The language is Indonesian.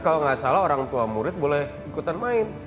kalau nggak salah orang tua murid boleh ikutan main